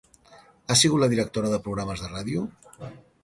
Ha sigut la directora de programes de ràdio?